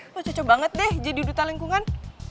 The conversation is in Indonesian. lo cocok banget deh jadi uduta lingkungan